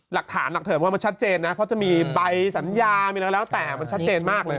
หลักฐานหนักเถิมว่ามันชัดเจนนะเพราะจะมีใบสัญญามีอะไรแล้วแต่มันชัดเจนมากเลย